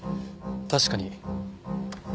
確かに。